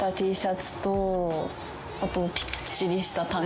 あと。